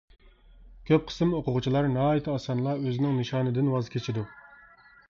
كۆپ قىسىم ئوقۇغۇچىلار ناھايىتى ئاسانلا ئۆزىنىڭ نىشانىدىن ۋاز كېچىدۇ.